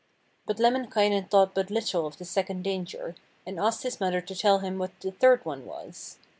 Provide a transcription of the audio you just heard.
But Lemminkainen thought but little of this second danger, and asked his mother to tell him what the third one was.